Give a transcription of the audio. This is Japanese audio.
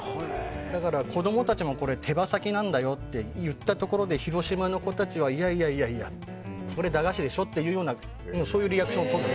だから、子供たちもこれ、手羽先なんだよって言ったところで広島の子たちは、いやいやこれ、駄菓子でしょっていうリアクションで。